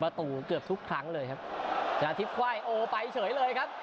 เกือบทุกครั้งเลยครับชนะทิพย์ไขว้โอไปเฉยเลยครับ